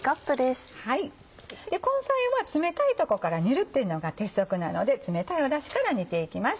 根菜は冷たいとこから煮るっていうのが鉄則なので冷たいだしから煮ていきます。